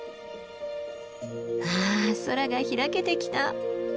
あ空が開けてきた。